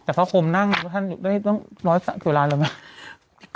กับพระคมนั่งท่านอยู่ด้วยต้องร้อยสระสุราณหรือไม่